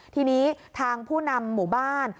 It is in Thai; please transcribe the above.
ทีนี้ทางผู้นำหมู่บ้าน